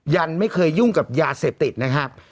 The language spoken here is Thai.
ยันไม่เคยยุ่งกับยาเสพติดนะครับ